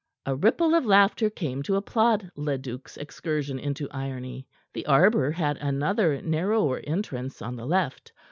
A ripple of laughter came to applaud Leduc's excursion into irony. The arbor had another, narrower entrance, on the left.